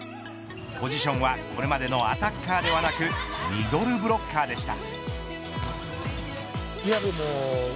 ポジションは、これまでのアタッカーではなくミドルブロッカーでした。